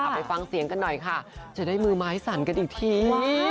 ไปฟังเสียงกันหน่อยค่ะจะได้มือไม้สั่นกันอีกที